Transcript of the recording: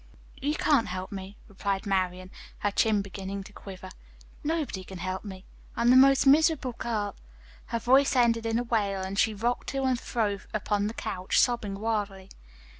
"You can't help me," replied Marian, her chin beginning to quiver. "Nobody can help me. I'm the most miserable girl " her voice ended in a wail, and she rocked to and fro upon the couch, sobbing wildly.